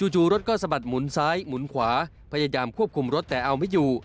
จู่รถก็สะบัดหมุนซ้ายหมุนขวาพยายามควบคุมรถแต่เอาไม่อยู่